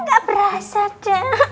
gak berasa cek